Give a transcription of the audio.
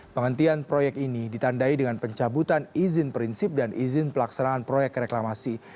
penghentian proyek ini ditandai dengan pencabutan izin prinsip dan izin pelaksanaan proyek reklamasi